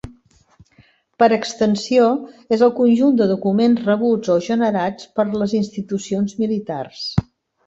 Per extensió, és el conjunt de documents rebuts o generats per les institucions militars.